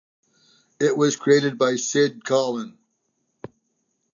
It was created by Sid Colin.